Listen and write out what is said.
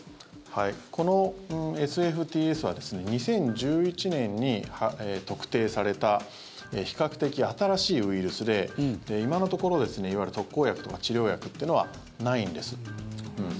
このＳＦＴＳはですね２０１１年に特定された比較的新しいウイルスで今のところ、いわゆる特効薬とか治療薬というのはないんです。